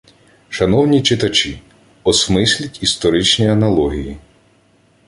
Шановні читачі, осмисліть історичні аналогії